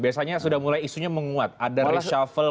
biasanya sudah mulai isunya menguat ada reshuffle